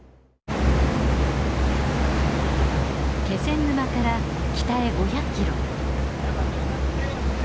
気仙沼から北へ５００キロ。